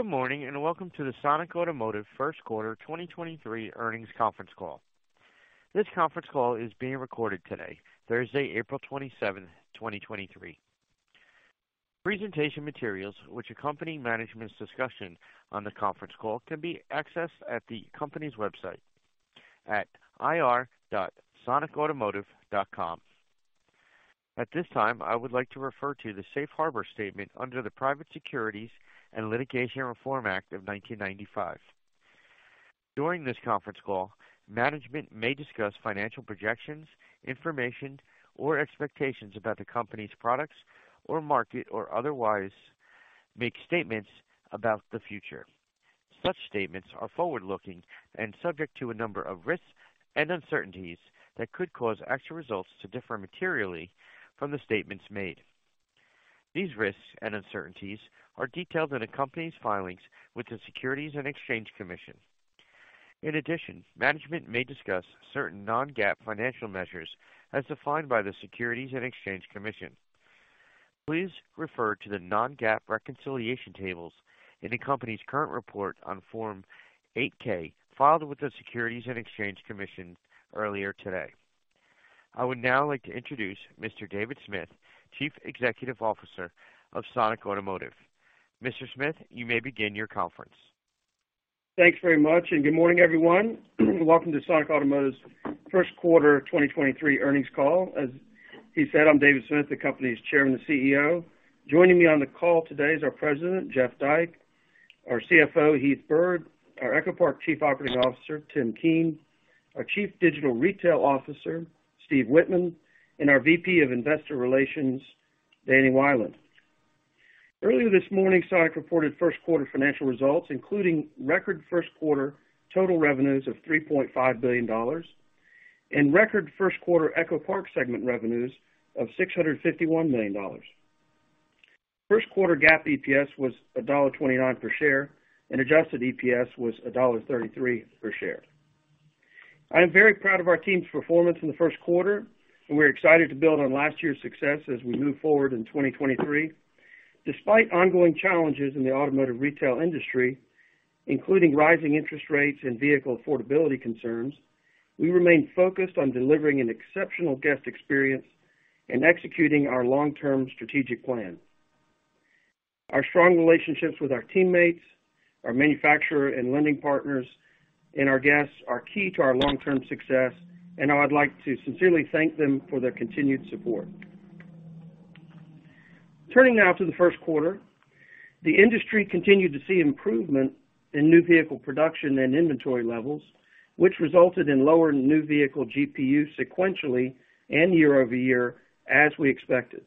Good morning, welcome to the Sonic Automotive First Quarter 2023 Earnings Conference Call. This conference call is being recorded today, Thursday, April 27, 2023. Presentation materials which accompany management's discussion on the conference call can be accessed at the company's website at ir.sonicautomotive.com. At this time, I would like to refer to the Safe Harbor statement under the Private Securities and Litigation Reform Act of 1995. During this conference call, management may discuss financial projections, information, or expectations about the company's products or market, or otherwise make statements about the future. Such statements are forward-looking and subject to a number of risks and uncertainties that could cause actual results to differ materially from the statements made. These risks and uncertainties are detailed in the company's filings with the Securities and Exchange Commission. In addition, management may discuss certain non-GAAP financial measures as defined by the Securities and Exchange Commission. Please refer to the non-GAAP reconciliation tables in the company's current report on Form 8-K filed with the Securities and Exchange Commission earlier today. I would now like to introduce Mr. David Smith, Chief Executive Officer of Sonic Automotive. Mr. Smith, you may begin your conference. Thanks very much, and good morning, everyone. Welcome to Sonic Automotive's first quarter 2023 earnings call. As he said, I'm David Smith, the company's Chairman and CEO. Joining me on the call today is our President, Jeff Dyke, our CFO, Heath Byrd, our EchoPark Chief Operating Officer, Tim Keen, our Chief Digital Retail Officer, Steve Wittman, and our VP of Investor Relations, Danny Wieland. Earlier this morning, Sonic reported first quarter financial results, including record first quarter total revenues of $3.5 billion and record first quarter EchoPark segment revenues of $651 million. First quarter GAAP EPS was $1.29 per share, and adjusted EPS was $1.33 per share. I am very proud of our team's performance in the first quarter, and we're excited to build on last year's success as we move forward in 2023. Despite ongoing challenges in the automotive retail industry, including rising interest rates and vehicle affordability concerns, we remain focused on delivering an exceptional guest experience and executing our long-term strategic plan. Our strong relationships with our teammates, our manufacturer and lending partners, and our guests are key to our long-term success. I'd like to sincerely thank them for their continued support. Turning now to the first quarter. The industry continued to see improvement in new vehicle production and inventory levels, which resulted in lower new vehicle GPU sequentially and year-over-year, as we expected.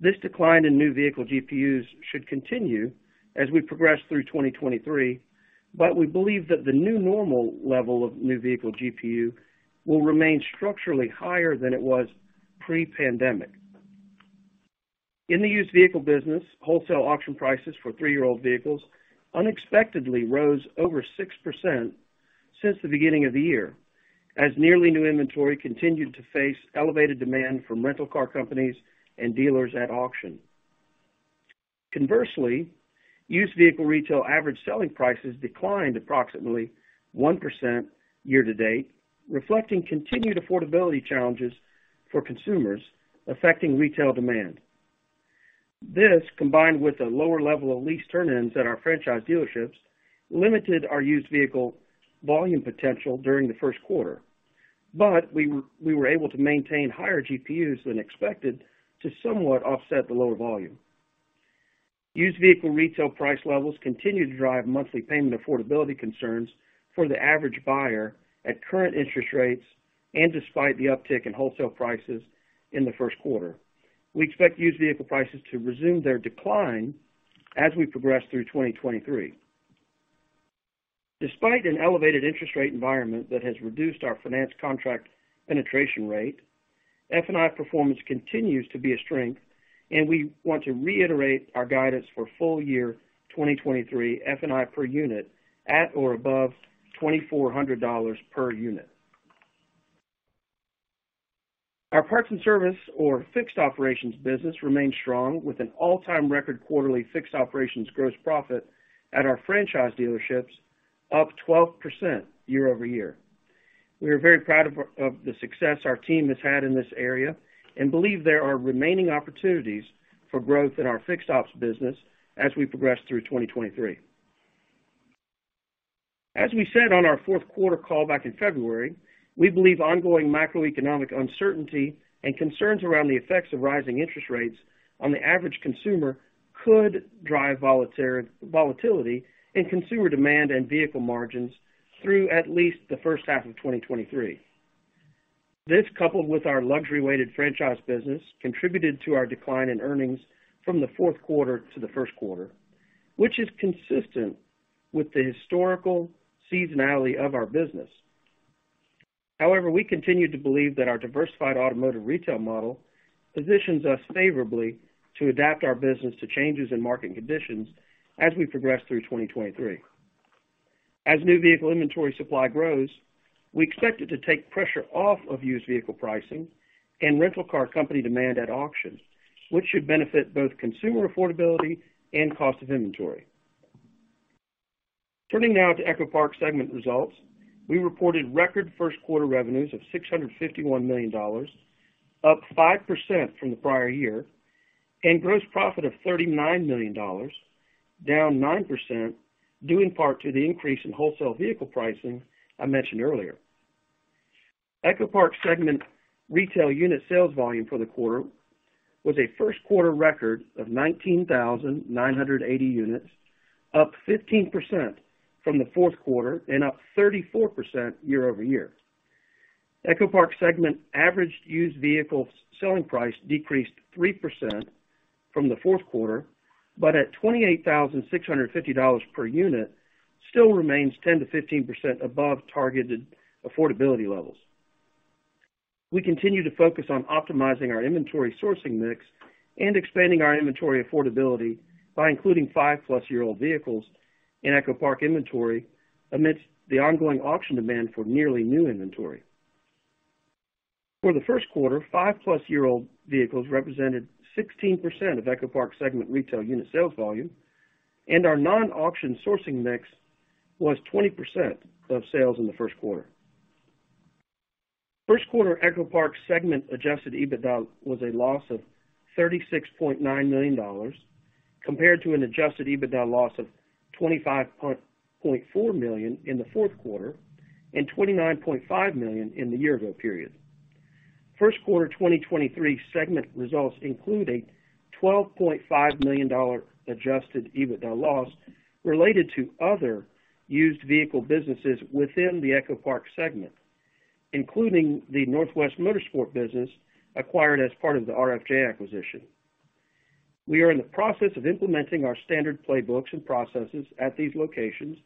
This decline in new vehicle GPUs should continue as we progress through 2023. We believe that the new normal level of new vehicle GPU will remain structurally higher than it was pre-pandemic. In the used vehicle business, wholesale auction prices for three-year-old vehicles unexpectedly rose over 6% since the beginning of the year, as nearly new inventory continued to face elevated demand from rental car companies and dealers at auction. Conversely, used vehicle retail average selling prices declined approximately 1% year to date, reflecting continued affordability challenges for consumers affecting retail demand. This, combined with a lower level of lease turn-ins at our franchise dealerships, limited our used vehicle volume potential during the first quarter, but we were able to maintain higher GPUs than expected to somewhat offset the lower volume. Used vehicle retail price levels continue to drive monthly payment affordability concerns for the average buyer at current interest rates and despite the uptick in wholesale prices in the first quarter. We expect used vehicle prices to resume their decline as we progress through 2023. Despite an elevated interest rate environment that has reduced our finance contract penetration rate, F&I performance continues to be a strength. We want to reiterate our guidance for full year 2023 F&I per unit at or above $2,400 per unit. Our parts and service or fixed operations business remained strong with an all-time record quarterly fixed operations gross profit at our franchise dealerships, up 12% year-over-year. We are very proud of the success our team has had in this area and believe there are remaining opportunities for growth in our fixed ops business as we progress through 2023. As we said on our fourth quarter call back in February, we believe ongoing macroeconomic uncertainty and concerns around the effects of rising interest rates on the average consumer could drive volatility in consumer demand and vehicle margins through at least the first half of 2023. This, coupled with our luxury-weighted franchise business, contributed to our decline in earnings from the fourth quarter to the first quarter, which is consistent with the historical seasonality of our business. However, we continue to believe that our diversified automotive retail model positions us favorably to adapt our business to changes in market conditions as we progress through 2023. As new vehicle inventory supply grows, we expect it to take pressure off of used vehicle pricing and rental car company demand at auction, which should benefit both consumer affordability and cost of inventory. Turning now to EchoPark segment results. We reported record first quarter revenues of $651 million, up 5% from the prior year, and gross profit of $39 million, down 9%, due in part to the increase in wholesale vehicle pricing I mentioned earlier. EchoPark segment retail unit sales volume for the quarter was a first quarter record of 19,980 units, up 15% from the fourth quarter and up 34% year-over-year. EchoPark segment average used vehicle selling price decreased 3% from the fourth quarter, but at $28,650 per unit still remains 10%-15% above targeted affordability levels. We continue to focus on optimizing our inventory sourcing mix and expanding our inventory affordability by including 5+ year-old vehicles in EchoPark inventory amidst the ongoing auction demand for nearly new inventory. For the first quarter, 5+ year-old vehicles represented 16% of EchoPark segment retail unit sales volume, and our non-auction sourcing mix was 20% of sales in the first quarter. First quarter EchoPark segment adjusted EBITDA was a loss of $36.9 million compared to an adjusted EBITDA loss of $25.4 million in the fourth quarter and $29.5 million in the year-ago period. First quarter 2023 segment results include a $12.5 million adjusted EBITDA loss related to other used vehicle businesses within the EchoPark segment, including the Northwest Motorsport business acquired as part of the RFJ acquisition. We are in the process of implementing our standard playbooks and processes at these locations,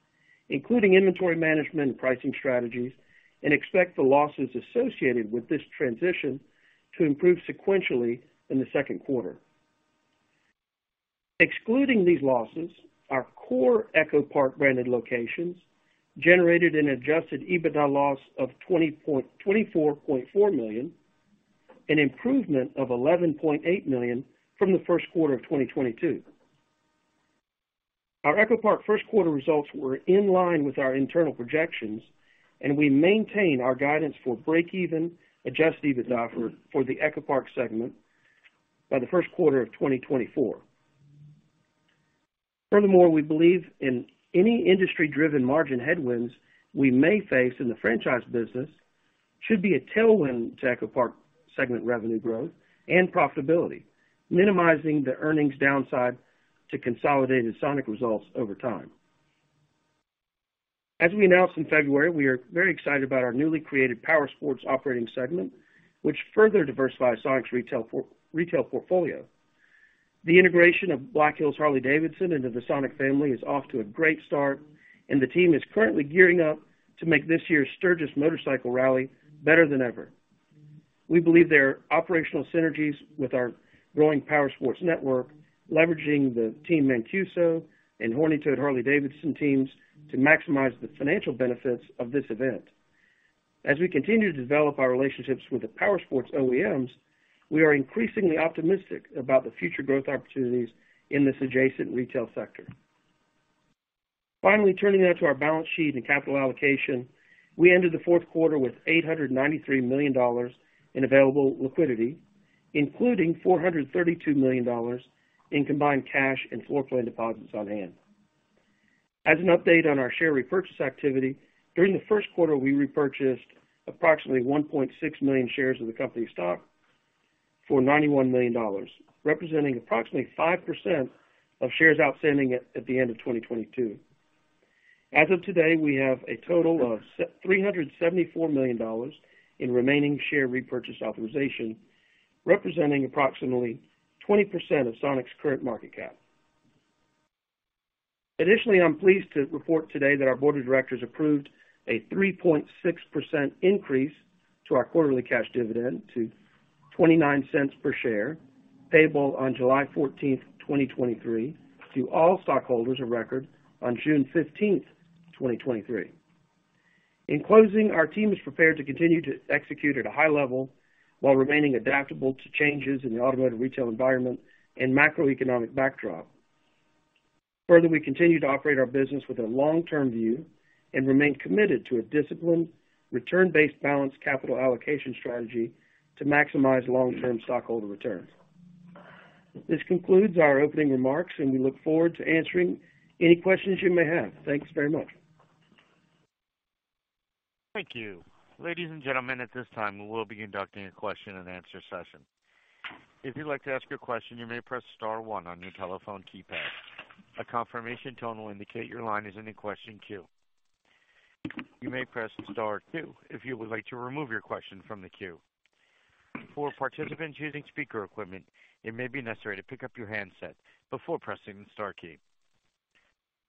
including inventory management and pricing strategies, and expect the losses associated with this transition to improve sequentially in the second quarter. Excluding these losses, our core EchoPark branded locations generated an adjusted EBITDA loss of $24.4 million, an improvement of $11.8 million from the first quarter of 2022. Our EchoPark first quarter results were in line with our internal projections, and we maintain our guidance for breakeven adjusted EBITDA for the EchoPark segment by the first quarter of 2024. Furthermore, we believe in any industry driven margin headwinds we may face in the franchise business should be a tailwind to EchoPark segment revenue growth and profitability, minimizing the earnings downside to consolidated Sonic results over time. As we announced in February, we are very excited about our newly created Powersports operating segment, which further diversifies Sonic's retail portfolio. The integration of Black Hills Harley-Davidson into the Sonic family is off to a great start, and the team is currently gearing up to make this year's Sturgis Motorcycle Rally better than ever. We believe there are operational synergies with our growing Powersports network, leveraging the Team Mancuso and Horny Toad Harley-Davidson teams to maximize the financial benefits of this event. As we continue to develop our relationships with the Powersports OEMs, we are increasingly optimistic about the future growth opportunities in this adjacent retail sector. Turning now to our balance sheet and capital allocation. We ended the fourth quarter with $893 million in available liquidity, including $432 million in combined cash and floor plan deposits on hand. As an update on our share repurchase activity, during the first quarter, we repurchased approximately 1.6 million shares of the company stock for $91 million, representing approximately 5% of shares outstanding at the end of 2022. As of today, we have a total of $374 million in remaining share repurchase authorization, representing approximately 20% of Sonic's current market cap. I'm pleased to report today that our board of directors approved a 3.6% increase to our quarterly cash dividend to $0.29 per share, payable on July 14, 2023, to all stockholders of record on June 15, 2023. In closing, our team is prepared to continue to execute at a high level while remaining adaptable to changes in the automotive retail environment and macroeconomic backdrop. Further, we continue to operate our business with a long-term view and remain committed to a disciplined, return-based balanced capital allocation strategy to maximize long-term stockholder returns. This concludes our opening remarks, and we look forward to answering any questions you may have. Thanks very much. Thank you. Ladies and gentlemen, at this time, we will be conducting a question and answer session. If you'd like to ask a question, you may press star one on your telephone keypad. A confirmation tone will indicate your line is in the question queue. You may press star two if you would like to remove your question from the queue. For participants using speaker equipment, it may be necessary to pick up your handset before pressing the star key.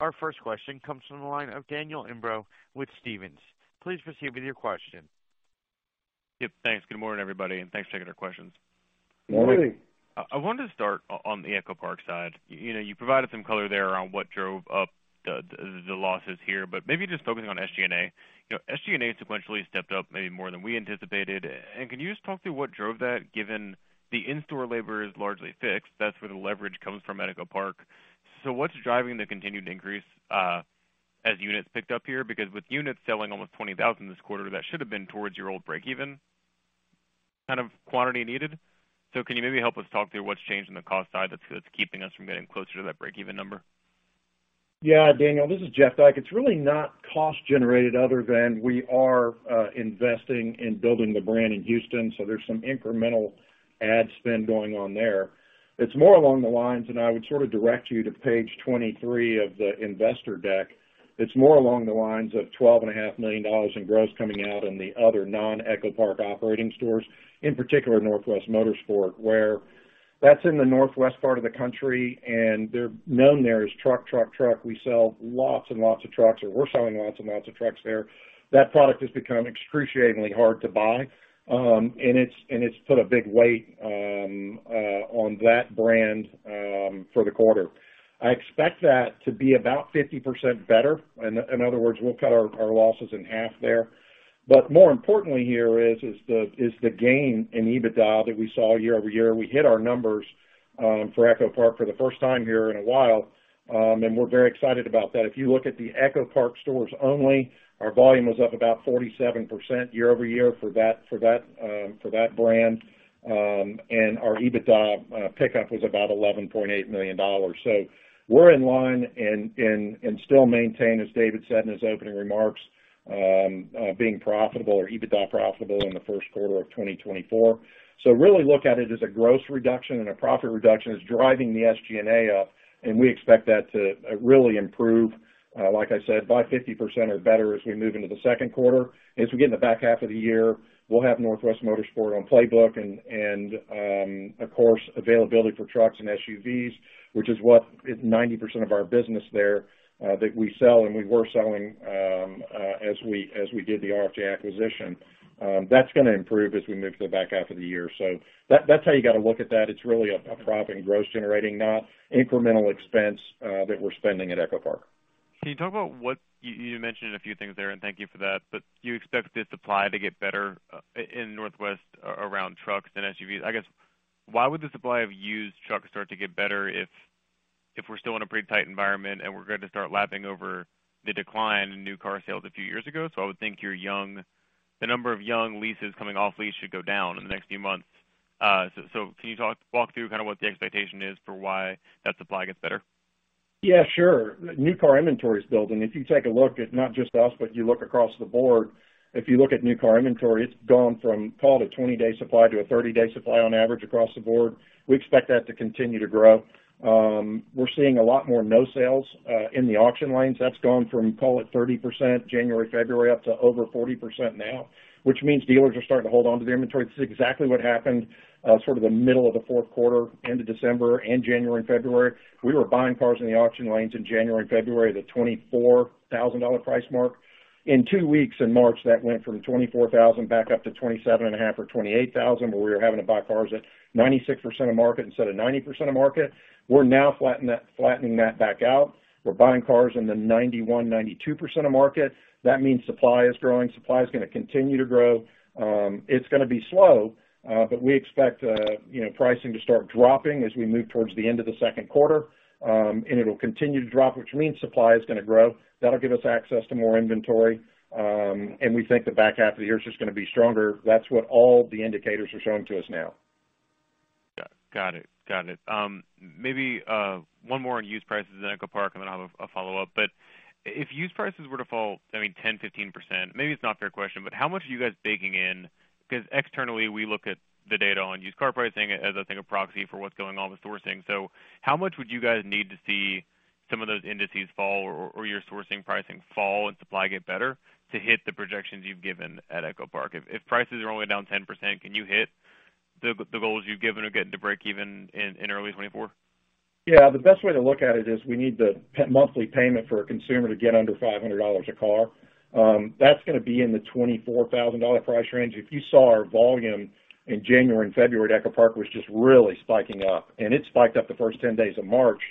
Our first question comes from the line of Daniel Imbro with Stephens. Please proceed with your question. Yep. Thanks. Good morning, everybody, and thanks for taking our questions. Good morning. I wanted to start on the EchoPark side. You know, you provided some color there around what drove up the losses here, but maybe just focusing on SG&A. You know, SG&A sequentially stepped up maybe more than we anticipated. Can you just talk through what drove that, given the in-store labor is largely fixed, that's where the leverage comes from at EchoPark. What's driving the continued increase as units picked up here? Because with units selling almost 20,000 this quarter, that should have been towards your old breakeven kind of quantity needed. Can you maybe help us talk through what's changed on the cost side that's keeping us from getting closer to that breakeven number? Yeah, Daniel, this is Jeff Dyke. It's really not cost generated other than we are investing in building the brand in Houston, so there's some incremental ad spend going on there. It's more along the lines, I would sort of direct you to page 23 of the investor deck. It's more along the lines of $12.5 million in gross coming out in the other non-EchoPark operating stores, in particular Northwest Motorsport, where that's in the Northwest part of the country, and they're known there as truck, truck. We sell lots and lots of trucks, or we're selling lots and lots of trucks there. That product has become excruciatingly hard to buy, and it's put a big weight on that brand for the quarter. I expect that to be about 50% better. In other words, we'll cut our losses in half there. More importantly here is the gain in EBITDA that we saw year-over-year. We hit our numbers for EchoPark for the first time here in a while, and we're very excited about that. If you look at the EchoPark stores only, our volume was up about 47% year-over-year for that brand. And our EBITDA pickup was about $11.8 million. We're in line and still maintain, as David said in his opening remarks, being profitable or EBITDA profitable in the first quarter of 2024. Really look at it as a gross reduction and a profit reduction is driving the SG&A up, and we expect that to really improve, like I said, by 50% or better as we move into the second quarter. As we get in the back half of the year, we'll have Northwest Motorsport on playbook and, of course, availability for trucks and SUVs, which is, it's 90% of our business there that we sell and we were selling as we did the RFJ acquisition. That's gonna improve as we move to the back half of the year. That's how you got to look at that. It's really a profit and gross generating, not incremental expense that we're spending at EchoPark. Can you talk about what. You mentioned a few things there, and thank you for that, but you expect the supply to get better in Northwest around trucks and SUVs. I guess, why would the supply of used trucks start to get better if we're still in a pretty tight environment, and we're going to start lapping over the decline in new car sales a few years ago? I would think your young, the number of young leases coming off lease should go down in the next few months. Can you walk through kind of what the expectation is for why that supply gets better? Yeah, sure. New car inventory is building. If you take a look at not just us, but you look across the board, if you look at new car inventory, it's gone from call it 20-day supply to a 30-day supply on average across the board. We expect that to continue to grow. We're seeing a lot more no sales in the auction lanes. That's gone from call it 30% January, February up to over 40% now, which means dealers are starting to hold on to the inventory. This is exactly what happened, sort of the middle of the fourth quarter into December and January and February. We were buying cars in the auction lanes in January and February, the $24,000 price mark. In two weeks in March, that went from $24,000 back up to $27,500 or $28,000, where we were having to buy cars at 96% of market instead of 90% of market. We're now flattening that back out. We're buying cars in the 91%, 92% of market. That means supply is growing. Supply is gonna continue to grow. It's gonna be slow, but we expect, you know, pricing to start dropping as we move towards the end of the second quarter. And it'll continue to drop, which means supply is gonna grow. That'll give us access to more inventory. And we think the back half of the year is just gonna be stronger. That's what all the indicators are showing to us now. Got it. Got it. Maybe one more on used prices in EchoPark, and then I'll have a follow-up. If used prices were to fall, I mean, 10%-15%, maybe it's not a fair question, but how much are you guys baking in? Because externally, we look at the data on used car pricing as, I think, a proxy for what's going on with sourcing. How much would you guys need to see some of those indices fall or your sourcing pricing fall and supply get better to hit the projections you've given at EchoPark? If prices are only down 10%, can you hit the goals you've given of getting to break even in early 2024? The best way to look at it is we need the monthly payment for a consumer to get under $500 a car. That's gonna be in the $24,000 price range. If you saw our volume in January and February at EchoPark was just really spiking up, it spiked up the first 10 days of March.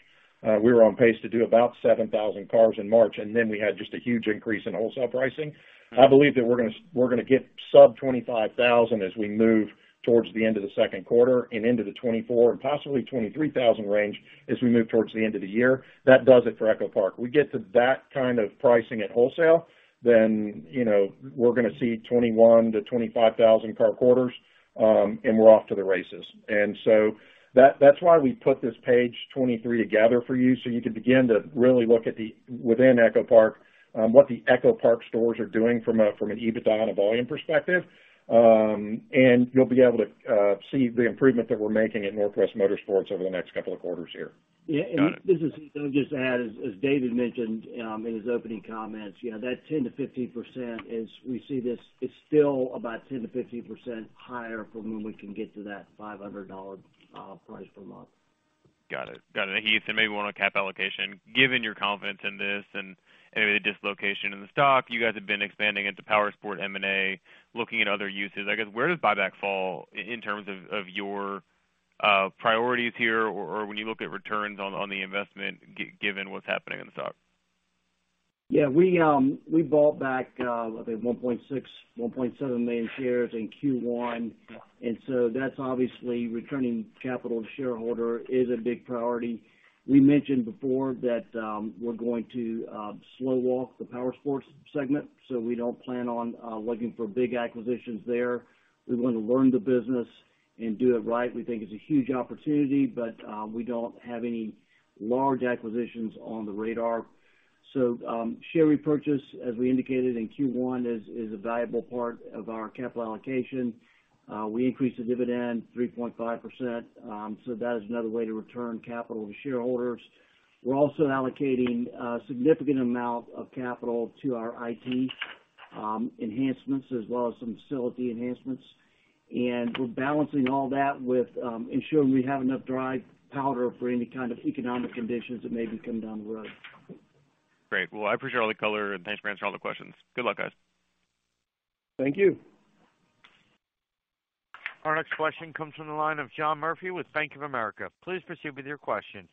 We were on pace to do about 7,000 cars in March. We had just a huge increase in wholesale pricing. I believe that we're gonna get sub $25,000 as we move towards the end of the second quarter and into the $24,000 and possibly $23,000 range as we move towards the end of the year. That does it for EchoPark. We get to that kind of pricing at wholesale, then, you know, we're gonna see 21,000-25,000 car quarters, and we're off to the races. That, that's why we put this page 23 together for you, so you can begin to really look at the, within EchoPark, what the EchoPark stores are doing from a, from an EBITDA and a volume perspective. You'll be able to, see the improvement that we're making at Northwest Motorsport over the next couple of quarters here. Got it. This is Heath. I'll just add, as David mentioned, in his opening comments, you know, that 10%-15% is we see this is still about 10%-15% higher from when we can get to that $500 price per month. Got it. Got it. Heath said maybe one on cap allocation. Given your confidence in this and any of the dislocation in the stock, you guys have been expanding into Powersports M&A, looking at other uses. I guess, where does buyback fall in terms of your priorities here, or when you look at returns on the investment given what's happening in the stock? We bought back, I think $1.6 million-$1.7 million shares in Q1, that's obviously returning capital to shareholder is a big priority. We mentioned before that, we're going to slow walk the Powersports segment, we don't plan on looking for big acquisitions there. We wanna learn the business and do it right. We think it's a huge opportunity, we don't have any large acquisitions on the radar. Share repurchase, as we indicated in Q1, is a valuable part of our capital allocation. We increased the dividend 3.5%, that is another way to return capital to shareholders. We're also allocating a significant amount of capital to our IT enhancements as well as some facility enhancements. we're balancing all that with, ensuring we have enough dry powder for any kind of economic conditions that may be coming down the road. Great. Well, I appreciate all the color, and thanks for answering all the questions. Good luck, guys. Thank you. Our next question comes from the line of John Murphy with Bank of America. Please proceed with your question.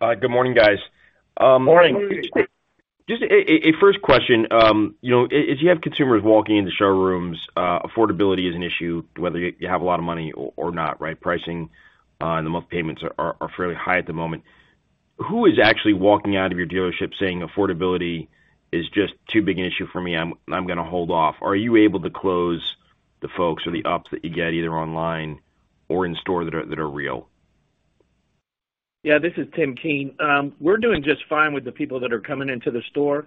Good morning, guys. Morning. Just a first question. you know, as you have consumers walking into showrooms, affordability is an issue, whether you have a lot of money or not, right? Pricing, and the month payments are fairly high at the moment. Who is actually walking out of your dealership saying, "Affordability is just too big an issue for me, I'm gonna hold off"? Are you able to close the folks or the opps that you get, either online or in store that are real? Yeah, this is Tim Keen. We're doing just fine with the people that are coming into the store.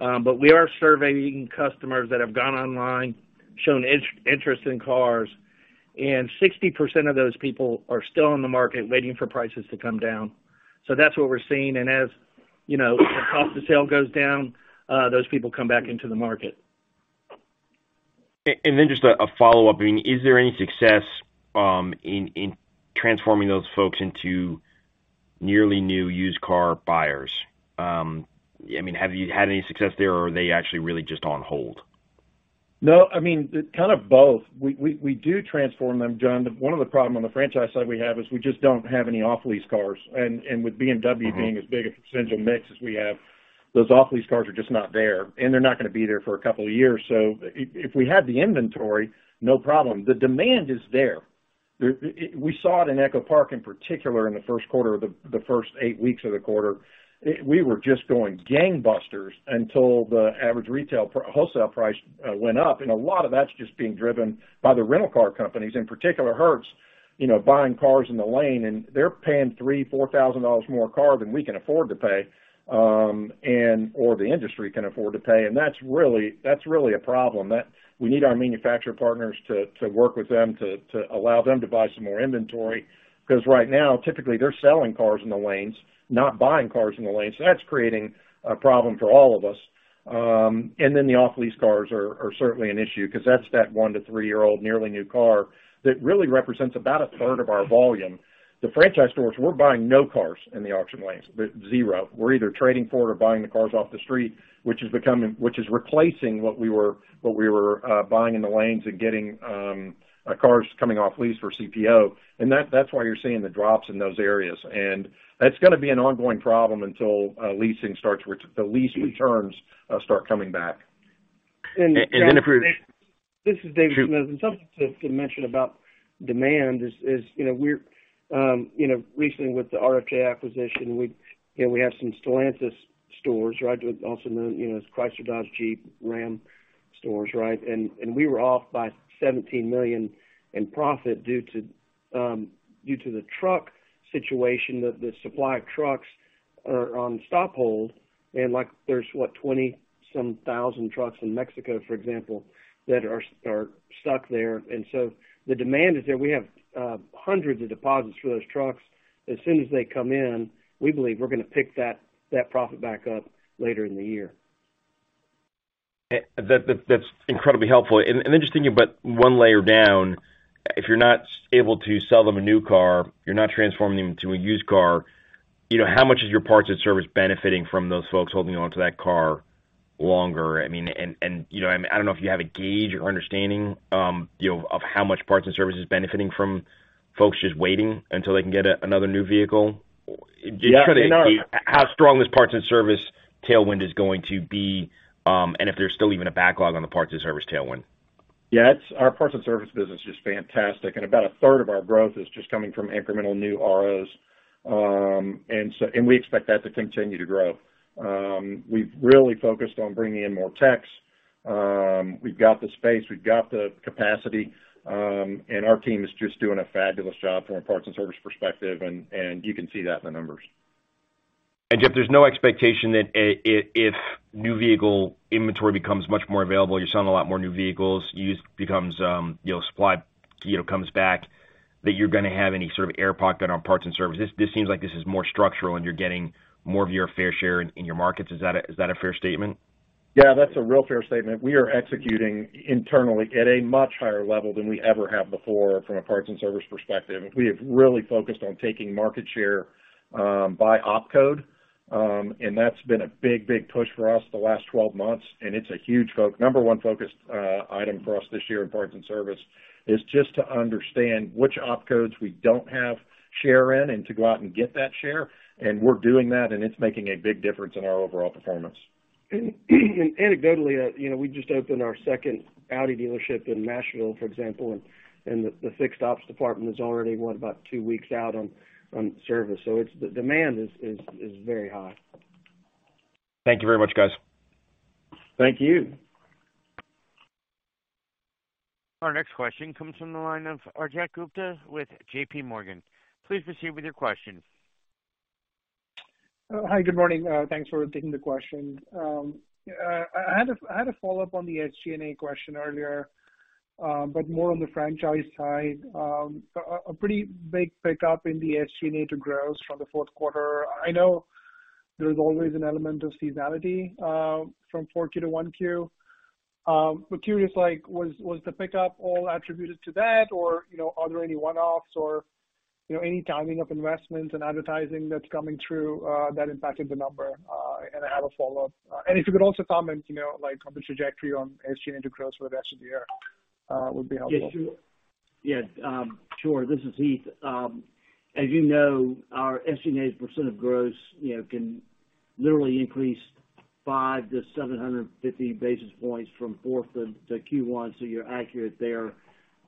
We are surveying customers that have gone online, shown interest in cars, and 60% of those people are still in the market waiting for prices to come down. That's what we're seeing. As, you know, the cost of sale goes down, those people come back into the market. Then just a follow-up. I mean, is there any success in transforming those folks into nearly new used car buyers? I mean, have you had any success there or are they actually really just on hold? No, I mean, kind of both. We do transform them, John, but one of the problem on the franchise side we have is we just don't have any off-lease cars. With BMW. Mm-hmm. as big a potential mix as we have, those off-lease cars are just not there, and they're not gonna be there for a couple of years. If we had the inventory, no problem. The demand is there. The, we saw it in EchoPark, in particular, in the first quarter of the first eight weeks of the quarter. We were just going gangbusters until the average retail wholesale price went up, and a lot of that's just being driven by the rental car companies, in particular, Hertz, you know, buying cars in the lane, and they're paying $3,000-$4,000 more a car than we can afford to pay, and/or the industry can afford to pay. That's really a problem. We need our manufacturer partners to work with them, to allow them to buy some more inventory, because right now, typically, they're selling cars in the lanes, not buying cars in the lanes. That's creating a problem for all of us. Then the off-lease cars are certainly an issue because that's that 1-3-year-old nearly new car that really represents about a third of our volume. The franchise stores, we're buying no cars in the auction lanes, zero. We're either trading for or buying the cars off the street, which is replacing what we were buying in the lanes and getting cars coming off lease for CPO. That's why you're seeing the drops in those areas. That's gonna be an ongoing problem until leasing starts where it's the lease returns start coming back. Then. This is David Smith. Something to mention about demand is, we're recently with the RFJ acquisition, we have some Stellantis stores, right? Also known as Chrysler Dodge Jeep Ram stores, right? We were off by $17 million in profit due to the truck situation. The supply of trucks are on stop hold and there's what? 20-some thousand trucks in Mexico, for example, that are stuck there. The demand is there. We have hundreds of deposits for those trucks. As soon as they come in, we believe we're gonna pick that profit back up later in the year. That's incredibly helpful. Then just thinking about one layer down, if you're not able to sell them a new car, you're not transforming them to a used car, you know, how much is your parts and service benefiting from those folks holding onto that car longer? I mean, you know, I don't know if you have a gauge or understanding, you know, of how much parts and service is benefiting from folks just waiting until they can get another new vehicle. Yeah, you know. Just try to gauge how strong this parts and service tailwind is going to be, and if there's still even a backlog on the parts and service tailwind. Yeah. Our parts and service business is just fantastic. About a third of our growth is just coming from incremental new ROs. We expect that to continue to grow. We've really focused on bringing in more techs. We've got the space, we've got the capacity. Our team is just doing a fabulous job from a parts and service perspective, and you can see that in the numbers. Jeff, there's no expectation that if new vehicle inventory becomes much more available, you're selling a lot more new vehicles, used becomes, you know, supply, you know, comes back, that you're gonna have any sort of air pocket on parts and service. This seems like this is more structural, and you're getting more of your fair share in your markets. Is that a fair statement? Yeah, that's a real fair statement. We are executing internally at a much higher level than we ever have before from a parts and service perspective. We have really focused on taking market share by op code. That's been a big push for us the last 12 months. It's a huge number 1 focus item for us this year in parts and service, is just to understand which op codes we don't have share in and to go out and get that share, and we're doing that, and it's making a big difference in our overall performance. Anecdotally, you know, we just opened our second Audi dealership in Nashville, for example, and the fixed ops department is already, what, about two weeks out on service. The demand is very high. Thank you very much, guys. Thank you. Our next question comes from the line of Rajat Gupta with JPMorgan. Please proceed with your question. Hi. Good morning. Thanks for taking the question. I had a follow-up on the SG&A question earlier, but more on the franchise side. A pretty big pickup in the SG&A to gross from the Q4. I know there's always an element of seasonality from Q4 to Q1. Curious, like, was the pickup all attributed to that or, you know, are there any one-offs or, you know, any timing of investments and advertising that's coming through that impacted the number? I had a follow-up. If you could also comment, you know, like, on the trajectory on SG&A to gross for the rest of the year, would be helpful. Yes, sure. Yeah, sure. This is Heath. As you know, our SG&A as a percent of gross, you know, can literally increase 5-750 basis points from fourth to Q1, so you're accurate there.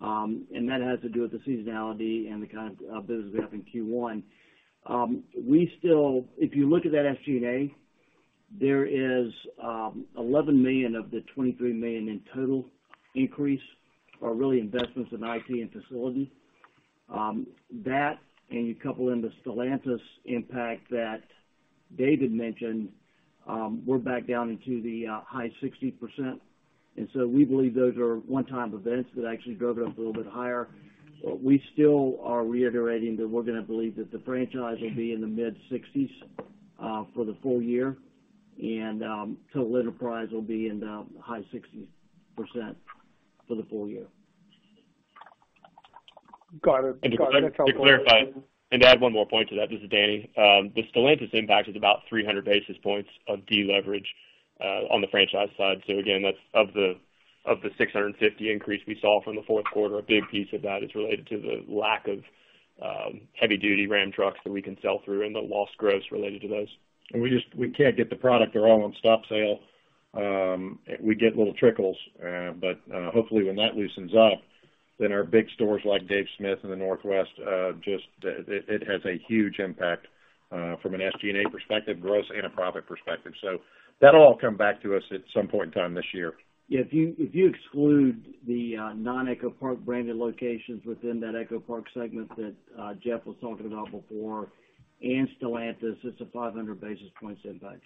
That has to do with the seasonality and the kind of business we have in Q1. We still. If you look at that SG&A, there is $11 million of the $23 million in total increase or really investments in IT and facility. That and you couple in the Stellantis impact that David mentioned, we're back down into the high 60%. We believe those are one-time events that actually drove it up a little bit higher. We still are reiterating that we're gonna believe that the franchise will be in the mid-60s for the full year and Total Enterprise will be in the high 60% for the full year. Got it. To clarify and to add one more point to that, this is Danny. The Stellantis impact is about 300 basis points of deleverage on the franchise side. Again, that's of the 650 increase we saw from the fourth quarter. A big piece of that is related to the lack of heavy duty Ram trucks that we can sell through and the lost gross related to those. We can't get the product. They're all on stop sale. We get little trickles, but hopefully when that loosens up, then our big stores like Dave Smith in the Northwest, just it has a huge impact from an SG&A perspective, gross and a profit perspective. That'll all come back to us at some point in time this year. Yeah. If you exclude the non-EchoPark branded locations within that EchoPark segment that Jeff was talking about before and Stellantis, it's a 500 basis points impact.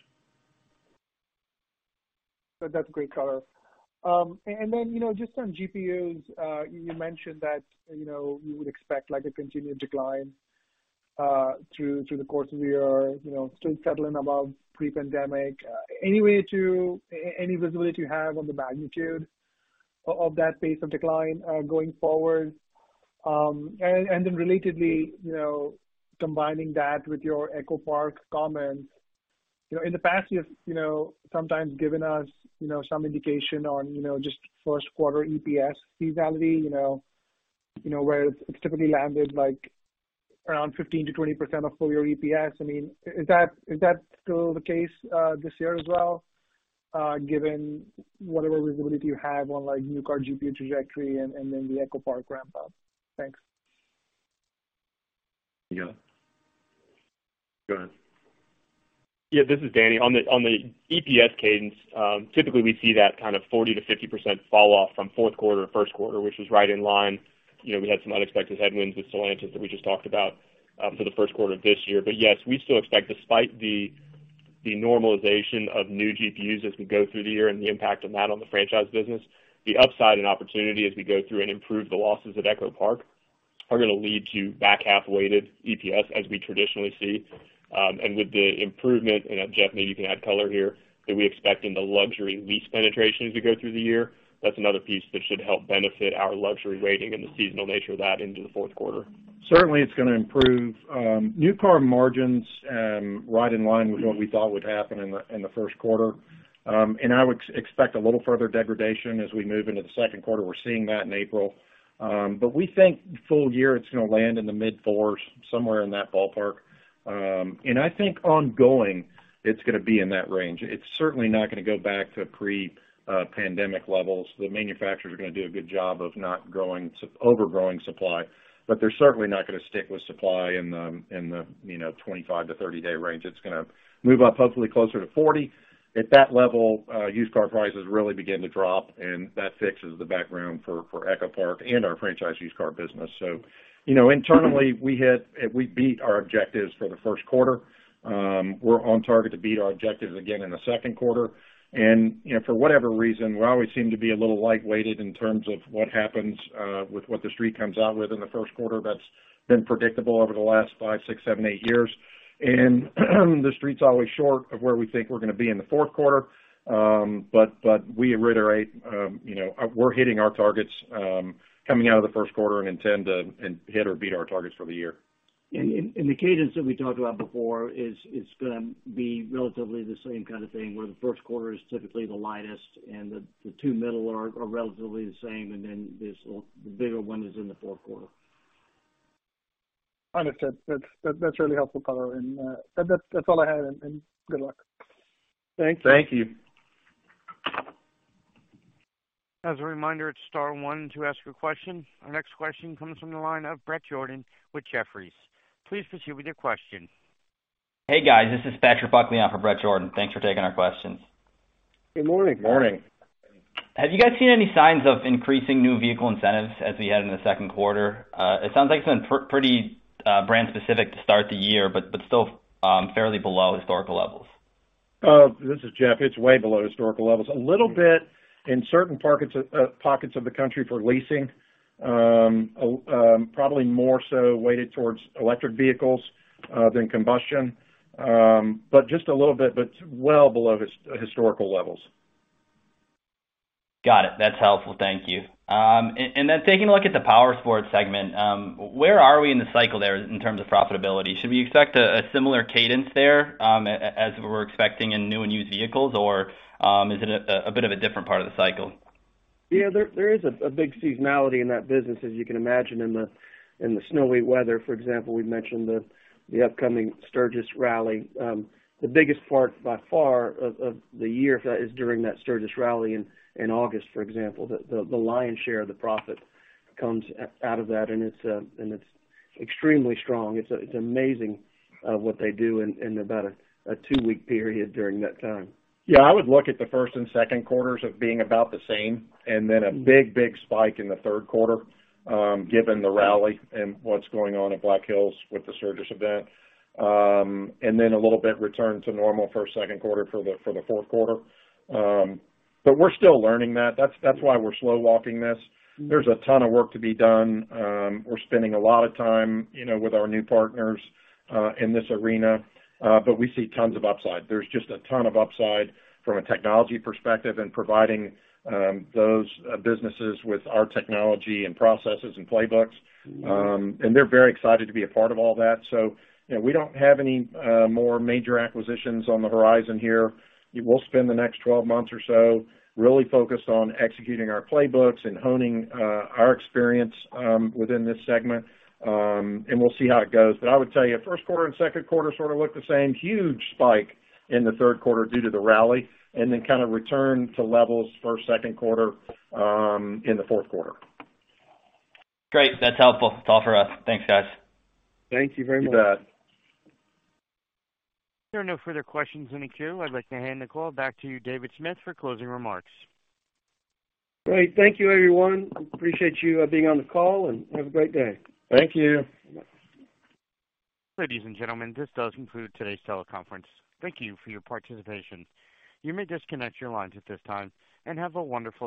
That's great color. Then, you know, just on GPUs, you mentioned that, you know, you would expect like a continued decline through the course of the year, you know, still settling above pre-pandemic. Any visibility you have on the magnitude of that pace of decline going forward? Then relatedly, you know, combining that with your EchoPark comments, you know, in the past you've, you know, sometimes given us, you know, some indication on, you know, just first quarter EPS seasonality, you know, you know, where it's typically landed like around 15%-20% of full year EPS. I mean, is that, is that still the case this year as well, given whatever visibility you have on, like, new car GPU trajectory and then the EchoPark ramp-up? Thanks. Yeah. Go ahead. This is Danny. On the, on the EPS cadence, typically we see that kind of 40%-50% fall off from fourth quarter to first quarter, which is right in line. You know, we had some unexpected headwinds with Stellantis that we just talked about, for the 1st quarter of this year. Yes, we still expect despite the normalization of new GPUs as we go through the year and the impact of that on the franchise business, the upside and opportunity as we go through and improve the losses at EchoPark are gonna lead to back half weighted EPS as we traditionally see. With the improvement, and Jeff, maybe you can add color here, that we expect in the luxury lease penetration as we go through the year, that's another piece that should help benefit our luxury weighting and the seasonal nature of that into the fourth quarter. Certainly, it's gonna improve new car margins, right in line with what we thought would happen in the first quarter. I would expect a little further degradation as we move into the second quarter. We're seeing that in April. We think full year it's gonna land in the mid-4s, somewhere in that ballpark. I think ongoing, it's gonna be in that range. It's certainly not gonna go back to pre-pandemic levels. The manufacturers are gonna do a good job of not growing overgrowing supply, but they're certainly not gonna stick with supply in the, you know, 25-30 day range. It's gonna move up, hopefully closer to 40. At that level, used car prices really begin to drop, and that fixes the backroom for EchoPark and our franchise used car business. You know, internally, we beat our objectives for the first quarter. We're on target to beat our objectives again in the second quarter. You know, for whatever reason, we always seem to be a little light weighted in terms of what happens with what the Street comes out with in the first quarter. That's been predictable over the last five, six, seven, eight years. The Street's always short of where we think we're going to be in the fourth quarter. But we reiterate, you know, we're hitting our targets coming out of the first quarter and intend to hit or beat our targets for the year. The cadence that we talked about before is gonna be relatively the same kind of thing, where the first quarter is typically the lightest and the two middle are relatively the same, and then there's the bigger one is in the fourth quarter. Understood. That's really helpful, Tyler. That's all I had, and good luck. Thank you. Thank you. As a reminder, it's star one to ask a question. Our next question comes from the line of Bret Jordan with Jefferies. Please proceed with your question. Hey, guys. This is Patrick Buckley in for Bret Jordan. Thanks for taking our questions. Good morning. Morning. Have you guys seen any signs of increasing new vehicle incentives as we head into the second quarter? It sounds like it's been pretty, brand specific to start the year, but still, fairly below historical levels. This is Jeff. It's way below historical levels. A little bit in certain pockets of the country for leasing, probably more so weighted towards electric vehicles than combustion. Just a little bit, but well below historical levels. Got it. That's helpful. Thank you. Then taking a look at the Powersports segment, where are we in the cycle there in terms of profitability? Should we expect a similar cadence there, as we're expecting in new and used vehicles? Is it a bit of a different part of the cycle? Yeah. There is a big seasonality in that business, as you can imagine in the snowy weather. For example, we've mentioned the upcoming Sturgis Rally. The biggest part by far of the year, if that is during that Sturgis Rally in August, for example, the lion's share of the profit comes out of that, and it's extremely strong. It's amazing what they do in about a two-week period during that time. I would look at the first and second quarters of being about the same, then a big, big spike in the third quarter, given the rally and what's going on at Black Hills with the Sturgis event. Then a little bit return to normal for second quarter for the fourth quarter. We're still learning that. That's why we're slow walking this. There's a ton of work to be done. We're spending a lot of time, you know, with our new partners, in this arena, but we see tons of upside. There's just a ton of upside from a technology perspective and providing those businesses with our technology and processes and playbooks. They're very excited to be a part of all that. You know, we don't have any more major acquisitions on the horizon here. We will spend the next 12 months or so really focused on executing our playbooks and honing our experience within this segment, and we'll see how it goes. I would tell you, first quarter and second quarter sort of look the same. Huge spike in the third quarter due to the rally, and then kind of return to levels for second quarter in the fourth quarter. Great. That's helpful. That's all for us. Thanks, guys. Thank you very much. You bet. There are no further questions in the queue. I'd like to hand the call back to you, David Smith, for closing remarks. Great. Thank you, everyone. Appreciate you, being on the call, and have a great day. Thank you. Ladies and gentlemen, this does conclude today's teleconference. Thank you for your participation. You may disconnect your lines at this time, and have a wonderful day.